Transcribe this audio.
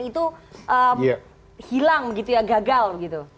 itu hilang gitu ya gagal begitu